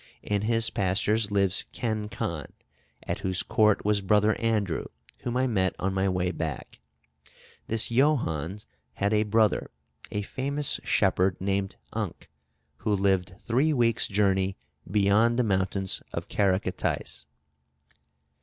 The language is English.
In his pastures lives Ken Khan, at whose court was Brother Andrew, whom I met on my way back. This Johannes had a brother, a famous shepherd, named Unc, who lived three weeks' journey beyond the mountains of Caracatais."